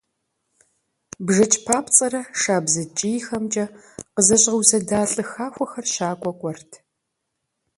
БжыкӀ папцӀэрэ шабзэ ткӀийхэмкӀэ къызэщӀэузэда лӀы хахуэхэр щакӀуэ кӀуэрт.